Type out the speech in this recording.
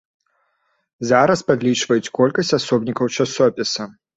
Зараз падлічваюць колькасць асобнікаў часопіса.